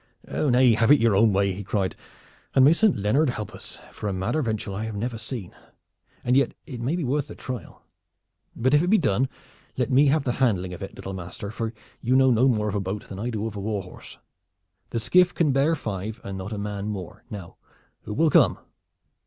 "Nay, have it your own way!" he cried, "and may Saint Leonard help us, for a madder venture I have never seen! And yet it may be worth the trial. But if it be done let me have the handling of it, little master, for you know no more of a boat than I do of a war horse. The skiff can bear five and not a man more. Now, who will come?"